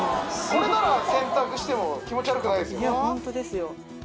これなら洗濯しても気持ち悪くないですよね